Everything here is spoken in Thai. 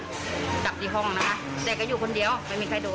จับที่ห้องนะแต่ก็อยู่คนเดียวไม่มีใครโดน